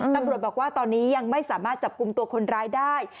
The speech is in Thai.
ตำรวจบอกว่าตอนนี้ยังไม่สามารถจับกลุ่มตัวคนร้ายได้